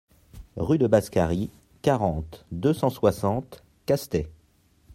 Rue de Bascarry, quarante, deux cent soixante Castets